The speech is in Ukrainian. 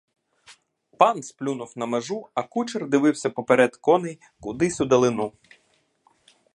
Пан сплюнув на межу, а кучер дивився поперед коней кудись удалину.